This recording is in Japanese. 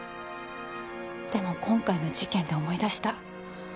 でも今回の事件で思い出した。